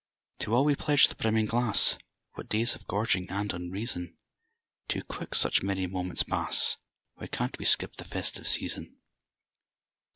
_) To all we pledge the brimming glass! (What days of gorging and unreason!) Too quick such merry moments pass (_Why can't we skip the "festive season"?